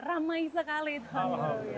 ramai sekali tuan guru ya